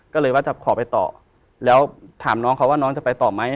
ก็เลยว่าจะขอไปต่อแล้วถามน้องเขาว่าน้องจะไปต่อไหม